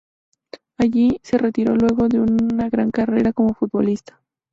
Allí, se retiró luego de una gran carrera como futbolista.